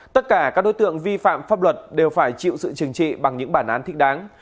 tất cả các đối tượng vi phạm pháp luật đều phải chịu sự chừng trị bằng những bản án thích đáng